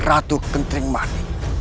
ratu kentring mardik